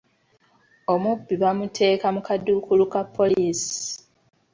Omubbi baamuteeka mu kaduukulu ka poliisi.